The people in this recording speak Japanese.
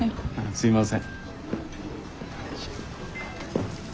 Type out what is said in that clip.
すいません。